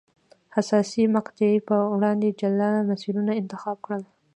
حساسې مقطعې په وړاندې جلا مسیرونه انتخاب کړل.